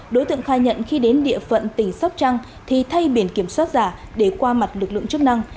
đối tượng khai nhận khi đến địa phận tỉnh sóc trăng thì thay biển kiểm soát giả để qua mặt lực lượng chức năng